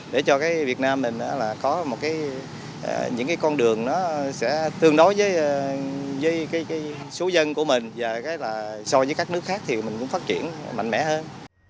để cho việt nam mình có những con đường nó sẽ tương đối với số dân của mình và so với các nước khác thì mình cũng phát triển mạnh mẽ hơn